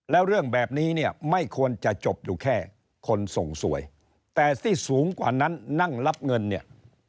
แล้วเรื่องแบบนี้เนี่ยไม่ควรจะจบอยู่แค่คนส่งสวยแต่ที่สูงกว่านั้นนั่งรับเงินเนี่ย